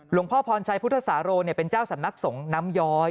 หลวงพ่อพรชัยพุทธสารโลเนี่ยเป็นเจ้าสำนักสงส์น้ำย้อย